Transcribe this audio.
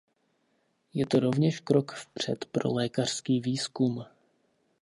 Je to rovněž krok vpřed pro lékařský výzkum.